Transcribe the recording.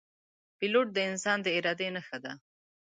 پیلوټ د انسان د ارادې نښه ده.